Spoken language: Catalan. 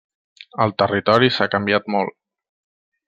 El territori s'ha canviat molt.